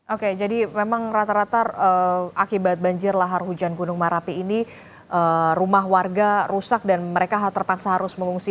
oke jadi memang rata rata akibat banjir lahar hujan gunung merapi ini rumah warga rusak dan mereka terpaksa harus mengungsi